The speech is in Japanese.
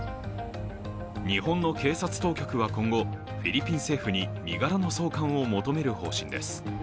日本の警察当局は今後、フィリピン政府に身柄の送還を求める方針です。